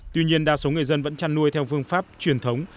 tuy nhiên đa số người dân vẫn chăn nuôi theo phương pháp truyền thống